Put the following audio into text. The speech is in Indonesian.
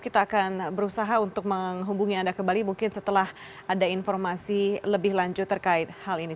kita akan berusaha untuk menghubungi anda kembali mungkin setelah ada informasi lebih lanjut terkait hal ini